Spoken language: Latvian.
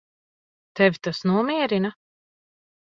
Tevi tas nomierina?